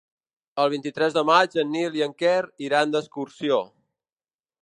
El vint-i-tres de maig en Nil i en Quer iran d'excursió.